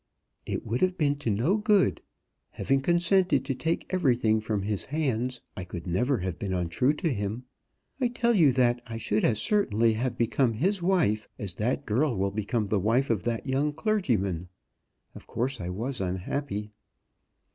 "It would have been to no good. Having consented to take everything from his hands, I could never have been untrue to him. I tell you that I should as certainly have become his wife, as that girl will become the wife of that young clergyman. Of course I was unhappy."